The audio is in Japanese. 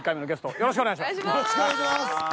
よろしくお願いします。